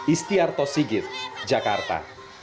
istiarto sigit jakarta